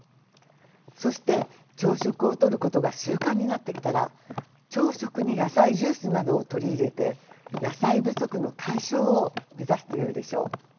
そして朝食をとることが習慣になってきたら朝食に野菜ジュースなどを取り入れて野菜不足の解消を目指すとよいでしょう。